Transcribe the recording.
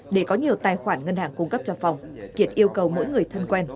để có nhiều tài khoản ngân hàng cung cấp cho phòng kiệt yêu cầu mỗi người thân quen